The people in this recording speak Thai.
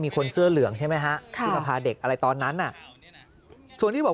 คนเสื้อเหลืองใช่ไหมฮะที่มาพาเด็กอะไรตอนนั้นน่ะส่วนที่บอก